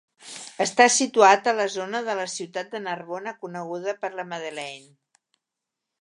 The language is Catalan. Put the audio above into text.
Està situat a la zona de la ciutat de Narbona coneguda per La Madeleine.